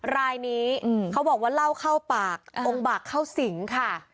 รายนี้เขาบอกว่าเล่าเข้าปากองค์บากเข้าสิงค่ะ